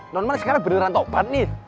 nonman sekarang beneran topan nih